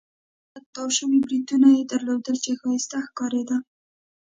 لوړې خوا ته تاو شوي بریتونه يې درلودل، چې ښایسته ښکارېده.